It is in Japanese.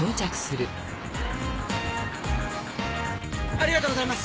ありがとうございます。